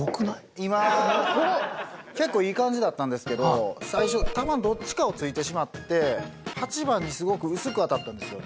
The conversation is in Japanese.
今結構いい感じだったんですけど最初球どっちかを突いてしまって８番にすごく薄く当たったんですよね。